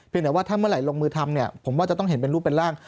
เพียงแต่ว่าเมื่อไหร่ลงมือทำผมว่าจะต้องเห็นเป็นรูปเป็นร่าง